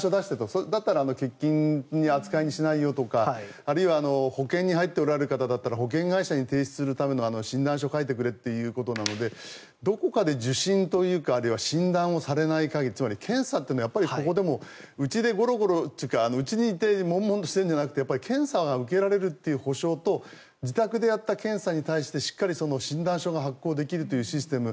そしたら欠勤にしないよとかあるいは保険に入っておられる方だったら保険会社に提出するための診断書を書いてくれということなのでどこかで受診というかあるいは診断をされない限り検査というのはうちでゴロゴロというかうちにいて悶々としているんじゃなくて検査を受けられるという保証と自宅でやった検査に対してしっかり診断書が発行できるというシステム